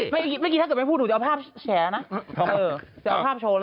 เมื่อกี้ถ้าเธอไม่พูดถูกที่เอาภาพแชร้อ่ะ